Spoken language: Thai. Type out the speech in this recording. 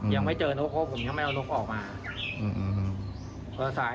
ยังไม่เจอนกเพราะผมยังไม่เอานกออกมา